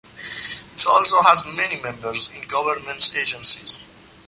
It also has many members in government agencies.